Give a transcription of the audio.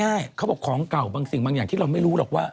ใช่เขาบอกของเก่าบางสิ่งบางอย่างที่เราไม่รู้หรอกว่า